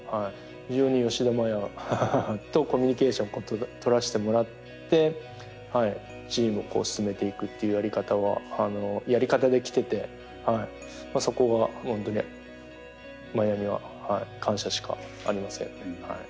非常に吉田麻也とコミュニケーションを取らしてもらってチームを進めていくっていうやり方はやり方できててそこは本当に麻也には感謝しかありませんね。